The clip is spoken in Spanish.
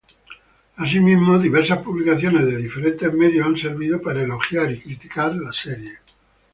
Asimismo, diversas publicaciones de diferentes medios han servido para elogiar y criticar la serie.